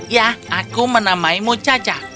ya aku menamainmu caca